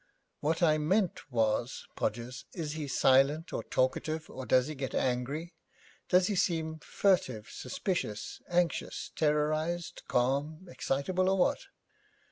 'What I meant was, Podgers, is he silent, or talkative, or does he get angry? Does he seem furtive, suspicious, anxious, terrorised, calm, excitable, or what?'